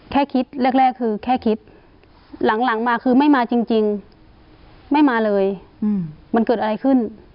แค่คิดแรกคือแค่คิดหลังมาคือไม่มาจริงไม่มาเลยมันเกิดอะไรขึ้น